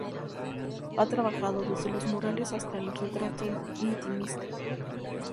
Ha trabajado desde los murales hasta el retrato intimista.